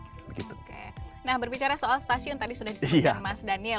oke nah berbicara soal stasiun tadi sudah disebutkan mas daniel